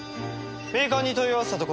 メーカーに問い合わせたところ